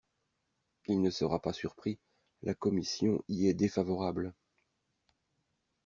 Il ne sera pas surpris, la commission y est défavorable.